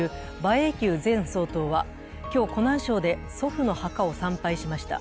英九前総統は今日湖南省で祖父の墓を参拝しました。